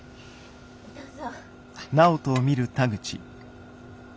どうぞ。